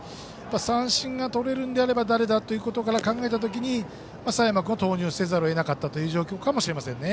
三振がとれるんであれば誰かということを考えた時に佐山君を投入せざるを得なかったということかもしれません。